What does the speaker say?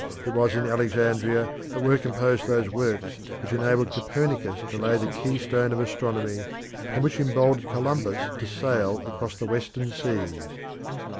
It was in Alexandria that were composed those works which enabled Copernicus to lay the keystone of astronomy, and which emboldened Columbus to sail across the Western seas.